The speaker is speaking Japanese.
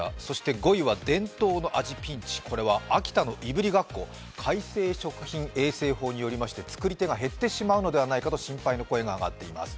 ５位は伝統の味ピンチ、これは秋田のいぶりがっこ、改正食品衛生法によりまして、作り手が減ってしまうのではないかという心配の声が上がっています。